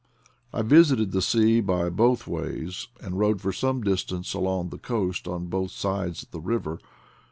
I visited the sea by both ways, and rode for some distance along the coast on both sides of the river.